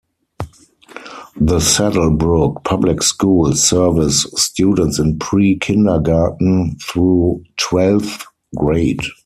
The Saddle Brook Public Schools serves students in pre-kindergarten through twelfth grade.